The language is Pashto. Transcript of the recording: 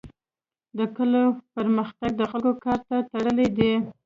د کلو پرمختګ د خلکو کار ته تړلی دی.